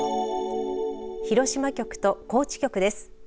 広島局と高知局です。